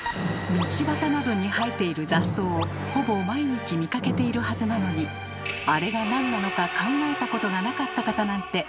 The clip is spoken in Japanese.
道端などに生えている雑草をほぼ毎日見かけているはずなのにあれがなんなのか考えたことがなかった方なんてまさかいませんよね？